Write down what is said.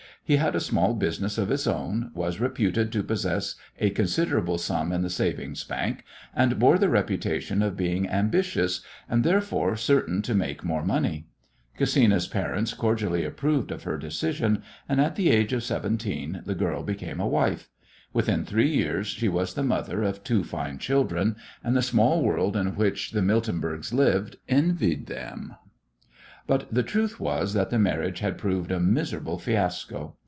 He had a small business of his own, was reputed to possess a considerable sum in the savings bank, and bore the reputation of being ambitious, and, therefore, certain to make more money. Gesina's parents cordially approved of her decision, and at the age of seventeen the girl became a wife. Within three years she was the mother of two fine children, and the small world in which the Miltenbergs lived envied them. But the truth was that the marriage had proved a miserable fiasco.